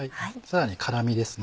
さらに辛みです。